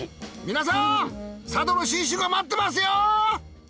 皆さん佐渡の新酒が待ってますよ。